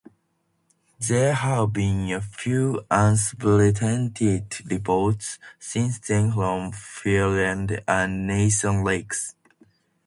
There have been a few unsubstantiated reports since then from Fiordland and Nelson Lakes.